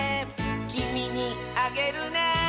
「きみにあげるね」